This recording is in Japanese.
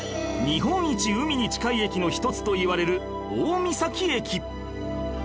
日本一海に近い駅の一つといわれる大三東駅